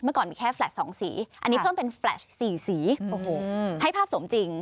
เมื่อก่อนมีแค่แฟลชสองสีอันนี้เพิ่มเป็นแฟลชสี่สีให้ภาพสมจริง